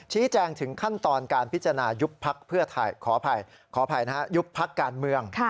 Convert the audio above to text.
ชี้แจงถึงขั้นตอนการพิจารณายุบพักการเมือง